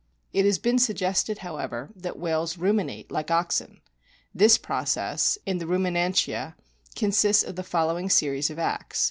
It has been suggested, however, that whales ruminate like oxen. This process (in the Rumi nantia) consists of the following series of acts.